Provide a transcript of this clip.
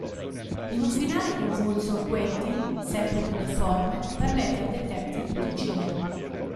In un finale convulso Quentin, sempre più deforme, permette al detective di ucciderlo.